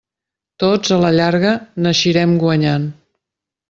Tots, a la llarga, n'eixirem guanyant.